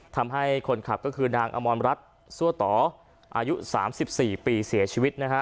ทำให้คนขับก็คือนางอมรรัฐซั่วต่ออายุ๓๔ปีเสียชีวิตนะฮะ